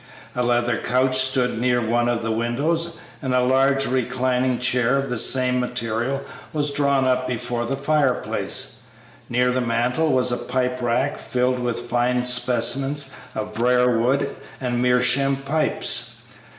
A leather couch stood near one of the windows, and a large reclining chair of the same material was drawn up before the fireplace. Near the mantel was a pipe rack filled with fine specimens of briar wood and meerschaum pipes.